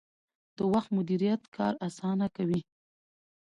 د وخت مدیریت کار اسانه کوي